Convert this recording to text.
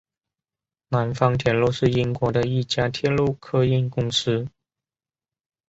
南方铁路是英国的一家铁路客运公司。